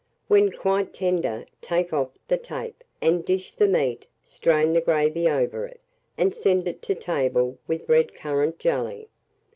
When quite tender, take off the tape, and dish the meat; strain the gravy over it, and send it to table with red currant jelly.